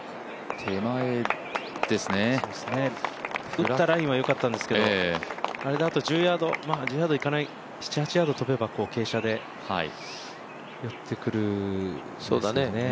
打ったラインはよかったんですけどあれだと１０ヤードいかない、７８ヤード飛べば、傾斜で寄ってきますね。